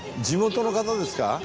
地元の方ですか？